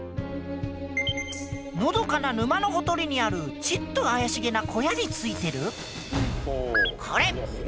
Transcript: のどかな沼のほとりにあるちっと怪しげな小屋についてるコレ！